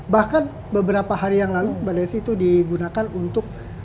bahkan beberapa hari yang lalu pada situ digunakan untuk event event musik